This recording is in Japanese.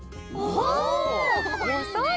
お！